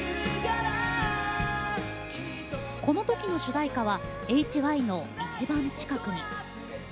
このときの主題歌はＨＹの「いちばん近くに」。